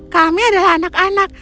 kami adalah anak anak